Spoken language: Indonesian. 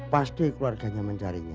pasti keluarganya mencarinya